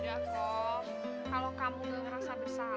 udah kokom kalau kamu gak merasa bersalah